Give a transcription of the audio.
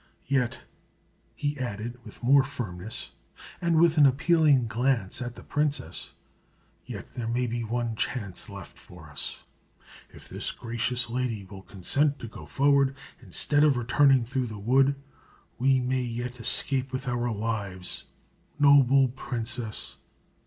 Yet," he added with more firmness, and with an appealing glance at the princess, "yet there may be one chance left for us. If this gracious lady will consent to go forward, instead of returning through the wood, we may yet escape with our lives. Noble princess!"